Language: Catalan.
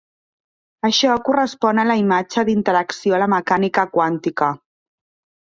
Això correspon a la imatge d'interacció a la mecànica quàntica.